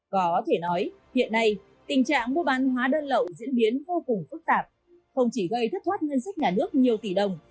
có thể nói hiện nay tình trạng mua bán hóa đơn lậu diễn biến vô cùng phức tạp không chỉ gây thất thoát ngân sách nhà nước nhiều tỷ đồng